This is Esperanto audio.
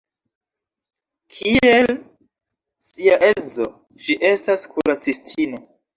Kiel sia edzo, ŝi estas kuracistino.